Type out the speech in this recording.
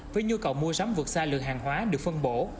với nhu cầu mua sắm vượt xa lượng hàng hóa được phân bổ